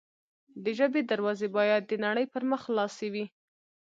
د ژبې دروازې باید د نړۍ پر مخ خلاصې وي.